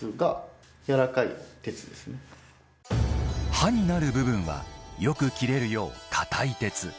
刃になる部分はよく切れるよう、硬い鉄。